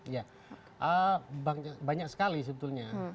ya banyak sekali sebetulnya